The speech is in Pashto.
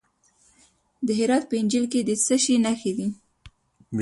د هرات په انجیل کې د څه شي نښې دي؟